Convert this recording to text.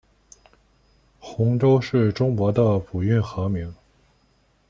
鸿沟是中国的古运河名。